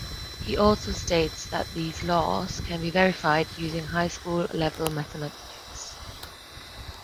He also states that these laws can be verified using high-school level mathematics.